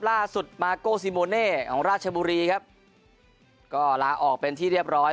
ล่าสุดมาโก้ซีโมเน่ของราชบุรีครับก็ลาออกเป็นที่เรียบร้อย